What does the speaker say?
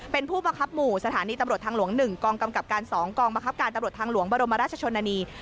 เป็นผู้บังคับหมู่สถานีตำรวจทางหลวง๑กองกำกับการ๒กองบังคับการตำรวจทางหลวงบรมราชชนนานี